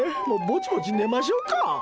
もうぼちぼち寝ましょうか！